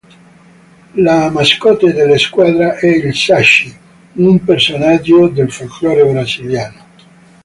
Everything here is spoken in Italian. La mascotte della squadra è il saci, un personaggio del folclore brasiliano.